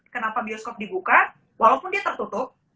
kenapa bioskop dibuka walaupun dia tertutup